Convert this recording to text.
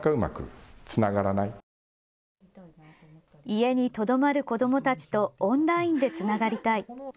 家に留まる子どもたちとオンラインでつながりたい。